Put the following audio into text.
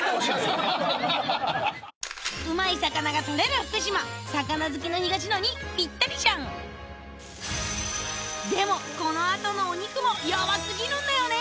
うまい魚がとれる福島魚好きの東野にピッタリじゃんでもこの後のお肉もヤバ過ぎるんだよね